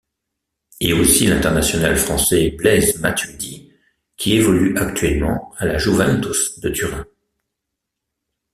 Et aussi l'international français Blaise Matuidi qui évolue actuellement à la Juventus de Turin.